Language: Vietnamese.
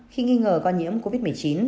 khi nghi ngờ con nhiễm covid một mươi chín